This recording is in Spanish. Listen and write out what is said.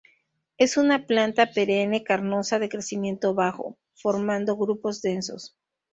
Es una planta perenne carnosa de crecimiento bajo, formando grupos densos.